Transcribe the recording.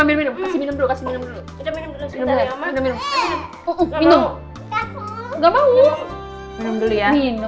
kamu kasih minum dulu